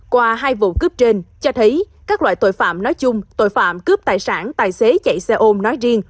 qua hai vụ cướp trên cho thấy các loại tội phạm nói chung tội phạm cướp tài sản tài xế chạy xe ôm nói riêng